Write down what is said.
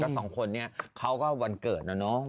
ก็๒คนนี้เขาก็วันเกิดแล้วเนาะ